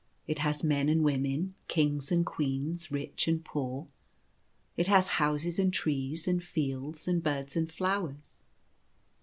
It has men and women, kings and queens, rich and poor ; it has houses, and trees, and fields, and birds, and flowers.